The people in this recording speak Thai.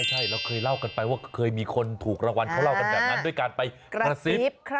ใช่เราเคยเล่ากันไปว่าเคยมีคนถูกรางวัลเขาเล่ากันแบบนั้นด้วยการไปกระซิบ